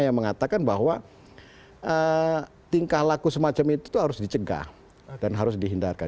yang mengatakan bahwa tingkah laku semacam itu harus dicegah dan harus dihindarkan